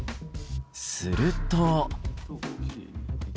すると。